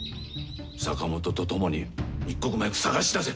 坂本と共に一刻も早く探し出せ！